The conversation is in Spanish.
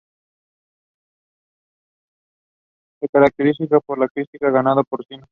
Se caracteriza por la crianza de ganado porcino, vacuno y una variada fauna silvestre.